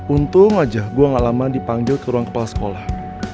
untung aja gue gak lama dipanggil ke ruang kepala sekolah